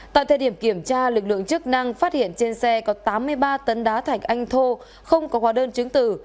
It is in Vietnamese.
tại thời điểm kiểm tra lực lượng chức năng phát hiện trên xe có tám mươi ba tấn đá thạch anh thô không có hóa đơn chứng tử